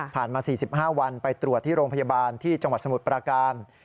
มา๔๕วันไปตรวจที่โรงพยาบาลที่จังหวัดสมุทรปราการ